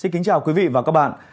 xin kính chào quý vị và các bạn